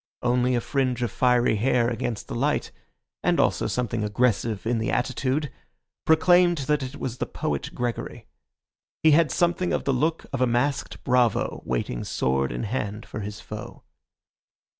Only a fringe of fiery hair against the light, and also something aggressive in the attitude, proclaimed that it was the poet Gregory. He had something of the look of a masked bravo waiting sword in hand for his foe.